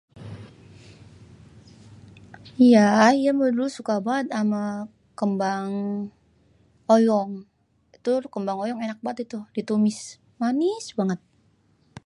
Iya ayé dulu suka banget ama kembang oyong. Itu kembang oyong enak banget itu ditumis. Manis banget.